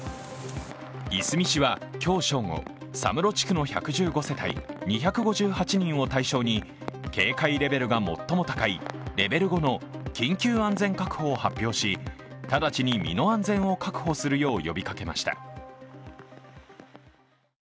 いすみ市は今日正午、佐室地区の１１５世帯、２５８人を対象に警戒レベルが最も高いレベル５の緊急安全確保を発表し直ちに身の安全を確保するよう呼びかけました。